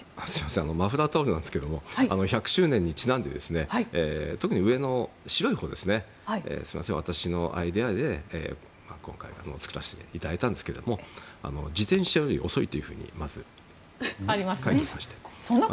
マフラータオルなんですが１００周年にちなんで特に上の白いのは私のアイデアで作らせていただいたんですけど自転車より遅いと書いてみました。